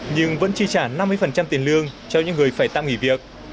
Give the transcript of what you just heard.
nhưng vẫn chi trả năm mươi tiền lương cho những người phải tạm nghỉ việc